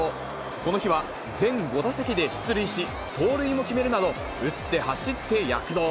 この日は全５打席で出塁し、盗塁も決めるなど、打って走って躍動。